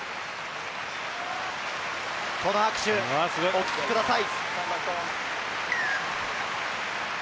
この拍手、お聞きください。